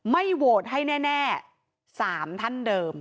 ไม่โหวตให้แน่๓ท่านเดิม